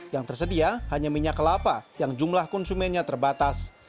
yang tersedia hanya minyak kelapa yang jumlah konsumennya terbatas